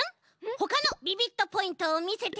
ほかのビビットポイントをみせて！